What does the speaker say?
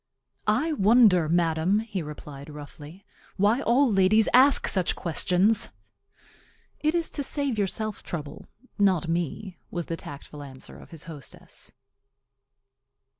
"I wonder, madam," he replied, roughly, "why all ladies ask such questions?" "It is to save yourself trouble, not me," was the tactful answer of his hostess.